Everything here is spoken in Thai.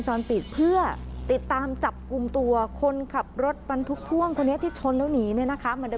ท่านที่นี่เขาถามว่าเหมือนจะเอาอะไรอ่าเพราะทีนี้เขาลงจับรถได้